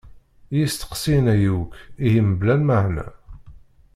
I yisteqsiyen-aki akk ihi mebla lmaɛna?